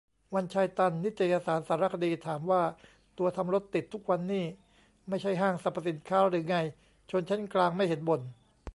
วันชัย ตัน นิตยสารสารคดี ถามว่า ตัวทำรถติดทุกวันนี่ ไม่ใช่ห้างสรรพสินค้าหรือไง ชนชั้นกลางไม่เห็นบ่น